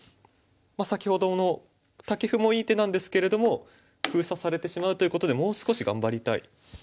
先ほどのタケフもいい手なんですけれども封鎖されてしまうということでもう少し頑張りたい。